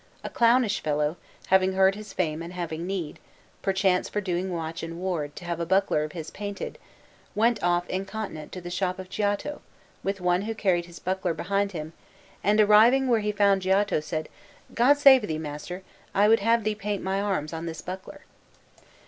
A clownish fellow, having heard his fame and having need, perchance for doing watch and ward, to have a buckler of his painted, went off incontinent to the shop of Giotto, with one who carried his buckler behind him, and, arriving where he found Giotto, said, 'God save thee, master, I would have thee paint my arms on this buckler.'